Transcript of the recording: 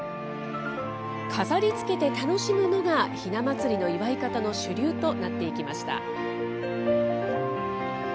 飾りつけて楽しむのがひな祭りの祝い方の主流となっていきました。